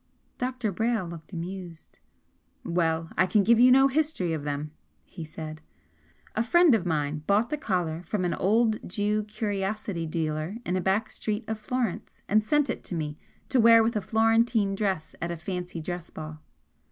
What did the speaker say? Dr. Brayle looked amused. "Well, I can give you no history of them," he said "A friend of mine bought the collar from an old Jew curiosity dealer in a back street of Florence and sent it to me to wear with a Florentine dress at a fancy dress ball.